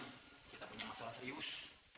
pak haji kita punya masalah serius